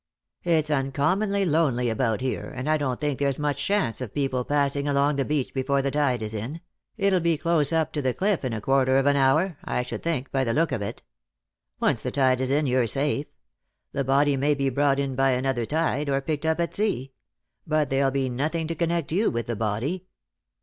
It's uncommonly lonely about here, and I don't think there's much chance of people passing along the beach before the tide is in ; it'll be close up to the cliff in a quarter of an hour, I should think, by the look of it. Once the tide is in, you're safe. The body may be brought in by another tide, or picked up at sea ; but there'll be nothing to connect you with the body."